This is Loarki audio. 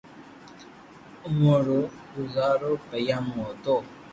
اووہ رو گوزارو پينيا مون ھوتو